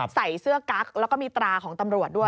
ใส่เสื้อกั๊กแล้วก็มีตราของตำรวจด้วย